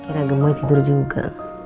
kira gemot tidur juga